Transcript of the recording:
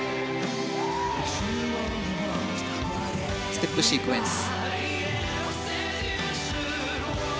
ステップシークエンス。